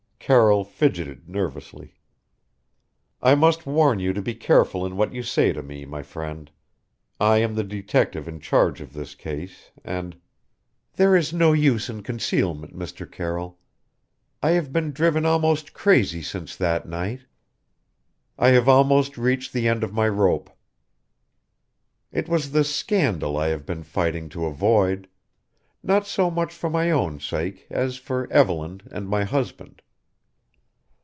Carroll fidgeted nervously. "I must warn you to be careful in what you say to me, my friend. I am the detective in charge of this case, and " "There is no use in concealment, Mr. Carroll. I have been driven almost crazy since that night. I have almost reached the end of my rope. It was the scandal I have been fighting to avoid not so much for my own sake as for Evelyn and my husband.